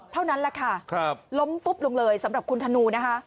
เท่านั้นแหละค่ะล้มฟุบลงเลยสำหรับคุณธนูนะคะ